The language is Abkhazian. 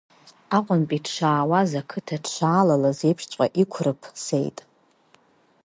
Аҟәантәи дшаауаз, ақыҭа дшаалалаз еиԥшҵәҟьа иқәрыԥсеит…